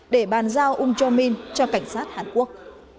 để bàn giao um jong min cho cảnh sát hàn quốc